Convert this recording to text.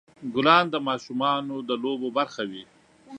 ګلان د ماشومان د لوبو برخه وي.